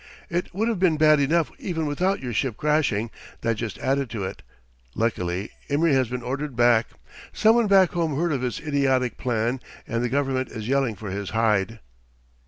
It would have been bad enough even without your ship crashing; that just added to it. Luckily, Imry has been ordered back. Someone back home heard of his idiotic plan and the government is yelling for his hide."